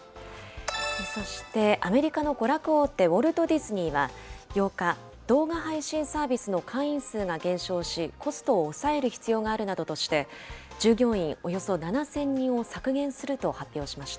そしてアメリカの娯楽大手、ウォルト・ディズニーは、８日、動画配信サービスの会員数が減少し、コストを抑える必要があるなどとして、従業員およそ７０００人を削減すると発表しました。